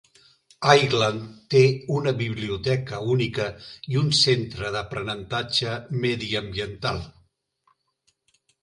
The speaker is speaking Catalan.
Highland té una biblioteca única i un centre d'aprenentatge mediambiental.